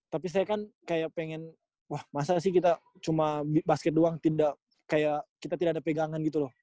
tapi saya kan kayak pengen wah masa sih kita cuma basket doang tidak kayak kita tidak ada pegangan gitu loh